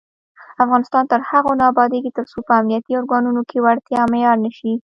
افغانستان تر هغو نه ابادیږي، ترڅو په امنیتي ارګانونو کې وړتیا معیار نشي.